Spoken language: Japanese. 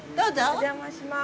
お邪魔します。